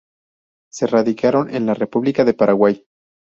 Se radicaron en la República del Paraguay.